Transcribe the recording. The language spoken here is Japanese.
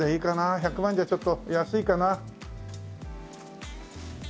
１００万じゃちょっと安いかな。